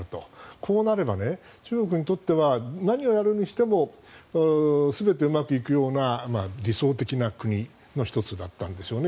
こうなれば中国にとっては何をやるにしても全てうまくいくような理想的な国の１つだったんでしょうね。